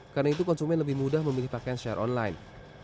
karena itu konsumen lebih mudah memilih pakaian secara online